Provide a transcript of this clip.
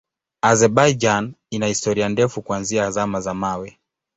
Azerbaijan ina historia ndefu kuanzia Zama za Mawe.